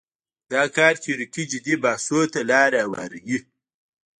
دا کار تیوریکي جدي بحثونو ته لاره هواروي.